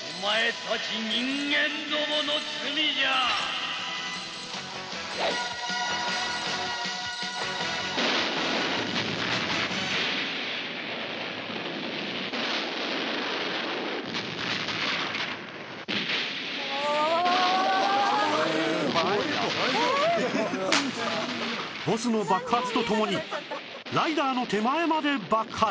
「こういうの大丈夫？」ボスの爆発とともにライダーの手前まで爆発！